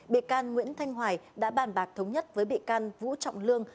bị can nguyễn thanh hoài đã bàn bạc thống nhất với bị can vũ trọng lương